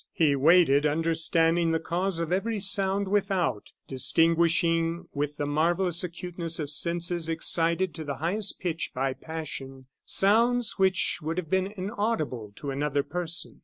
He waited, understanding the cause of every sound without, distinguishing with the marvellous acuteness of senses excited to the highest pitch by passion, sounds which would have been inaudible to another person.